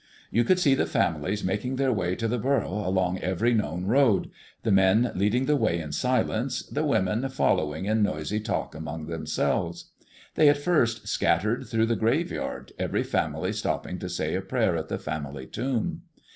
You could see the families making their way to the borough along every known road the men leading the way in silence, the women following in noisy talk among themselves. They at first scattered through the graveyard, every family stopping to say a prayer at the family tomb.